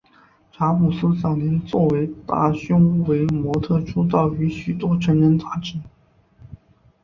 查姆斯早年作为大胸围模特出道于许多成人杂志。